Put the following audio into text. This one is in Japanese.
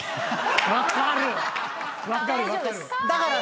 分かる！